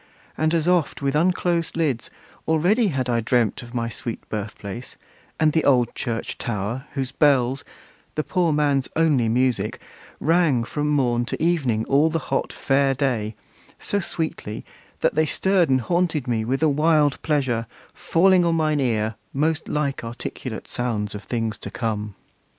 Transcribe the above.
and as oft With unclosed lids, already had I dreamt Of my sweet birth place, and the old church tower, Whose bells, the poor man's only music, rang From morn to evening, all the hot Fair day, So sweetly, that they stirred and haunted me With a wild pleasure, falling on mine ear Most like articulate sounds of things to come!